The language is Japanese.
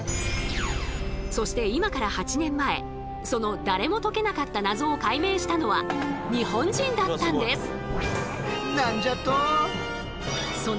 そして今から８年前その誰も解けなかった謎を解明したのは日本人だったんです。